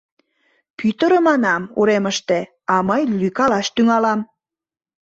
Пӱтырӧ, манам, уремыште, а мый лӱйкалаш тӱҥалам...